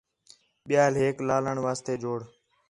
ٻِیال ہیک رلاݨ واسطے جوڑ